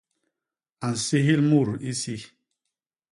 A nsihil mut isi.